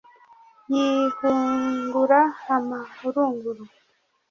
yihungura amahurunguru